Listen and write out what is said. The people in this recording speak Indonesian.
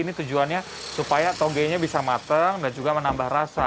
ini tujuannya supaya togenya bisa matang dan juga menambah rasa